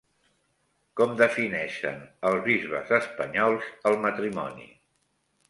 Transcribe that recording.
Com defineixen els bisbes espanyols el matrimoni?